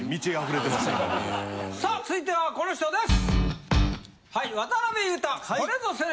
さあ続いてはこの人です！